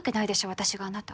私があなたを。